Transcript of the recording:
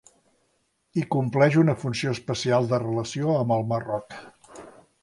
I compleix una funció especial de relació amb el Marroc.